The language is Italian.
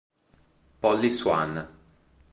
Polly Swann